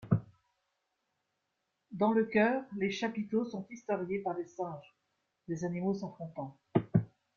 Dans le chœur, les chapiteaux sont historiés par des singes, des animaux s'affrontant.